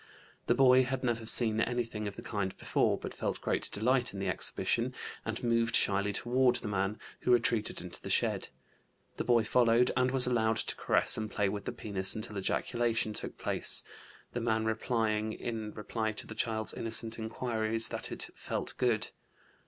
The boy had never seen anything of the kind before, but felt great delight in the exhibition and moved shyly toward the man, who retreated into the shed. The boy followed and was allowed to caress and play with the penis until ejaculation took place, the man replying, in reply to the child's innocent inquiries, that it "felt good."